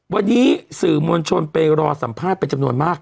วันนี้สื่อมวลชนไปรอสัมภาษณ์เป็นจำนวนมาก